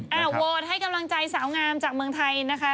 โหวตให้กำลังใจสาวงามจากเมืองไทยนะคะ